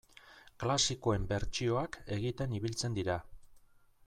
Klasikoen bertsioak egiten ibiltzen dira.